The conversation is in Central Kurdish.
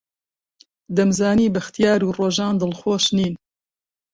دەمزانی بەختیار و ڕۆژان دڵخۆش نین.